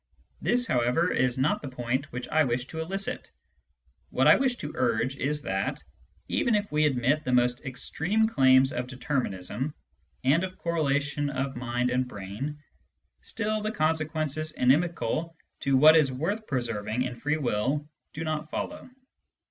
This, however, is not the point which I wish to elicit. What I wish to urge is that, even if we admit the most extreme claims of determinism and of correlation of mind and brain, still the consequences inimical to what is worth preserving in free will do not follow.